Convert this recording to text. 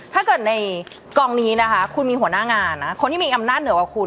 ถ้าเกิดในกองนี้นะคะคุณมีหัวหน้างานนะคนที่มีอำนาจเหนือกว่าคุณ